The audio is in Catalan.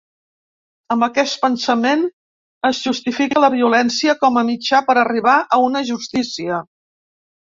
Amb aquest pensament es justifica la violència com a mitjà per arribar a una justícia.